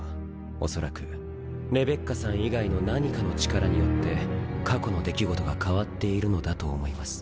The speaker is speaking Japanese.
おそらくレベッカさん以外の何かの力によって過去の出来事が変わっているのだと思います。